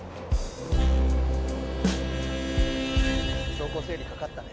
倉庫整理かかったね